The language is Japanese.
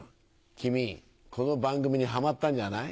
君この番組にハマったんじゃない？